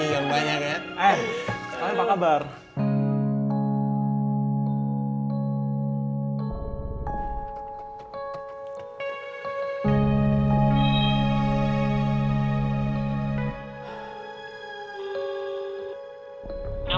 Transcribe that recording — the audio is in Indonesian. yang banyak ya